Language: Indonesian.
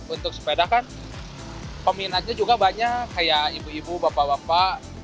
untuk sepeda kan peminatnya juga banyak kayak ibu ibu bapak bapak